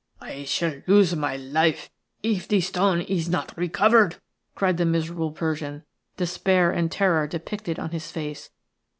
"I shall lose my life if the stone is not recovered," cried the miserable Persian, despair and terror depicted on his face.